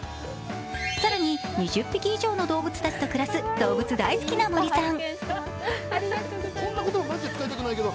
更に、２０匹以上の動物たちと暮らす動物大好きな森さん。